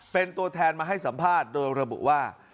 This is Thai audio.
เป็นตัวแทนมาให้สัมภาษณ์โดยระบุว่า